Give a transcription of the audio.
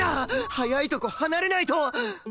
早いとこ離れないと！